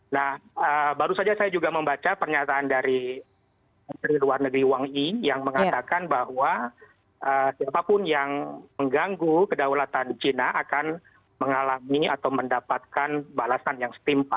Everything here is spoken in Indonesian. nah baru saja saya juga membaca pernyataan dari menteri luar negeri wangi yang mengatakan bahwa siapapun yang mengganggu kedaulatan china akan mengalami atau mendapatkan balasan yang setimpal